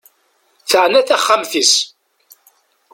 Teɛna taxxmat-is.